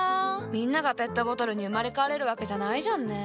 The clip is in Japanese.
みんながペットボトルに生まれ変われるわけじゃないじゃんね。